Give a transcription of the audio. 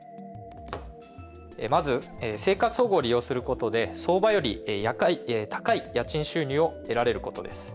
まず、生活保護を利用することで相場より高い家賃収入を得られることです。